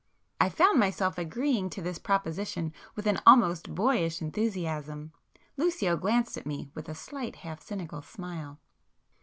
I found myself agreeing to this proposition with an almost boyish enthusiasm. Lucio glanced at me with a slight half cynical smile.